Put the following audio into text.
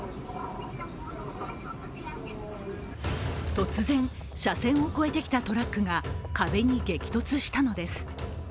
突然、車線を越えてきたトラックが壁に激突したのです。